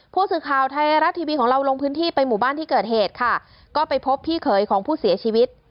ผู้สื่อข่าวไทยรัฐทีวีของเราลงพื้นที่ไปหมู่บ้านที่เกิดเหตุค่ะก็ไปพบพี่เขยของผู้เสียชีวิต